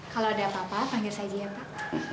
kalau ada apa apa panggil saya aja ya pak